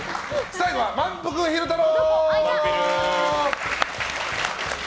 最後はまんぷく昼太郎！